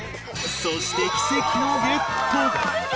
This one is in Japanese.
そして奇跡のゲット